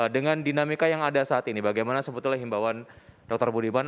dengan dinamika yang ada saat ini bagaimana sebetulnya himbauan dr budiman